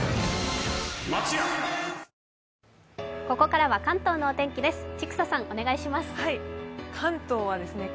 ここからは関東の天気です。